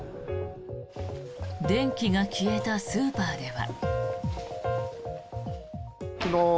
電気が消えたスーパーでは。